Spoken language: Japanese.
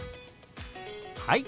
はい！